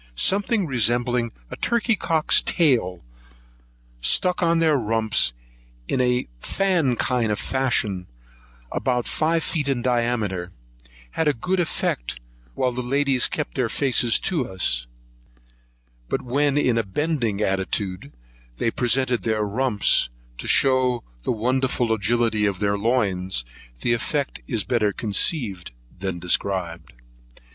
Something resembling a turkey cock's tail, and stuck on their rumps in a fan kind of fashion, about five feet in diameter, had a very good effect while the ladies kept their faces to us; but when in a bending attitude, they presented their rumps, to shew the wonderful agility of their loins; the effect is better conceived than described.